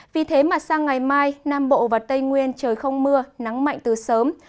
vì thế mà sang ngày mai nam bộ và tây nguyên trời không mưa nắng mạnh từ sớm